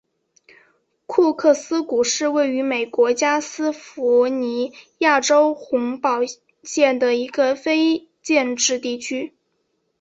库克斯谷是位于美国加利福尼亚州洪堡县的一个非建制地区。